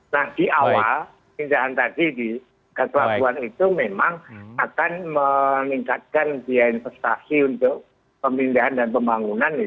nah di awal pindahan tadi di pelabuhan itu memang akan meningkatkan biaya investasi untuk pemindahan dan pembangunan